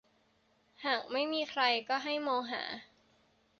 หากไม่มีใครก็ให้มองหา